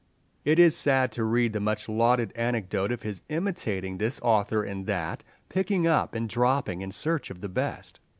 It is sad to read the much lauded anecdote of his imitating this author and that, picking up and dropping, in search of the best.